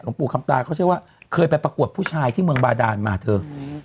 ปู่คำตาเขาเชื่อว่าเคยไปประกวดผู้ชายที่เมืองบาดานมาเถอะ